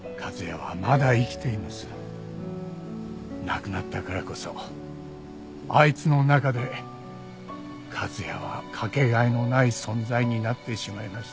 亡くなったからこそあいつの中で和哉はかけがえのない存在になってしまいました。